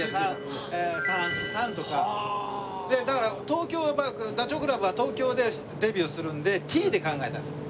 だから東京はダチョウ倶楽部は東京でデビューするので「Ｔ」で考えたんですよ。